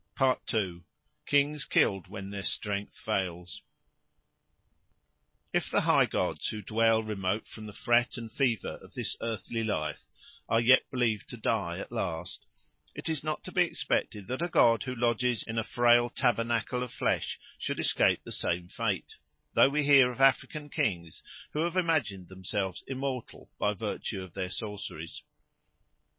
2. Kings killed when their Strength fails IF THE HIGH gods, who dwell remote from the fret and fever of this earthly life, are yet believed to die at last, it is not to be expected that a god who lodges in a frail tabernacle of flesh should escape the same fate, though we hear of African kings who have imagined themselves immortal by virtue of their sorceries.